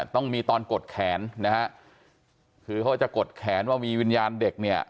ต้องมีตอนกดแขนนะฮะคือเขาจะกดแขนว่ามีวิญญาณเด็กเนี่ย